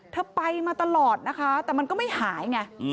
เธอไปมาตลอดนะคะแต่มันก็ไม่หายไง